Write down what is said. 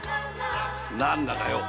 何だかよ